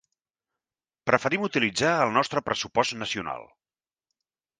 Preferim utilitzar el nostre pressupost nacional.